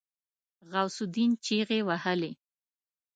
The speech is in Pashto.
غوث الدين چيغې وهلې.